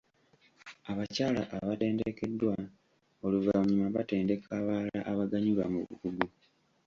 Abakyala abatendekeddwa oluvannyuma batendeka abalala abaganyulwa mu bukugu.